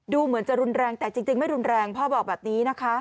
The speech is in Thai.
ดูเหมือนจะรุนแรงแต่จริงไม่รุนแรงพ่อบอกแบบนี้นะคะ